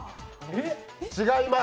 違います！